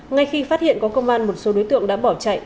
ngay khi phát hiện có công an một số đối tượng đã bỏ chạy